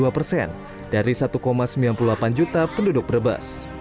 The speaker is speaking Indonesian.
dua puluh dua persen dari satu sembilan puluh delapan juta penduduk brebes